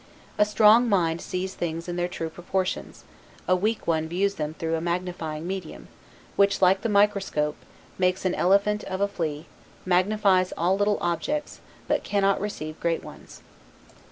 A strong mind sees things in their true proportions; a weak one views them through a magnifying medium, which, like the microscope, makes an elephant of a flea: magnifies all little objects, but cannot receive great ones.